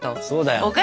そうだよ。